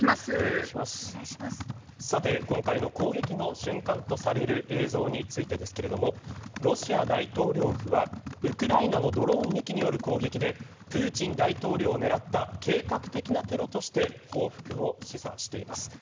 今回の攻撃の瞬間とされる映像についてですがロシア大統領府はウクライナのドローン２機による攻撃でプーチン大統領を狙った計画的なテロとして報復を示唆しています。